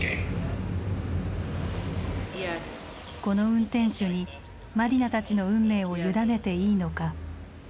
この運転手にマディナたちの運命を委ねていいのか。